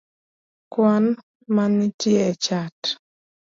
kwan manitie e chat